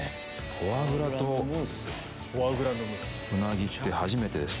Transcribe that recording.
フォアグラとウナギって初めてです。